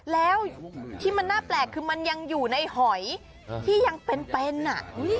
แล้วที่มันน่าแปลกคือมันยังอยู่ในหอยที่ยังเป็นอ่ะ